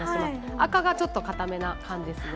赤が、ちょっと硬めな感じですね。